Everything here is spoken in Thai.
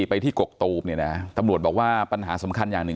ไปที่กกตูมเนี่ยนะตำรวจบอกว่าปัญหาสำคัญอย่างหนึ่ง